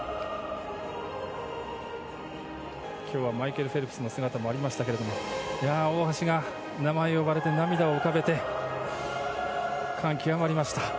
今日はマイケル・フェルプスの姿もありましたが大橋が名前を呼ばれて涙を浮かべて感極まりました。